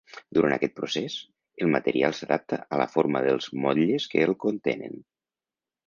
Durant aquest procés, el material s'adapta a la forma dels motlles que el contenen.